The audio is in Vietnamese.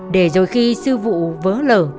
để rồi khi sư vụ vỡ lở